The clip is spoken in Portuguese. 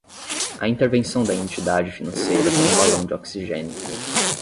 A intervenção da entidade financeira foi um balão de oxigênio.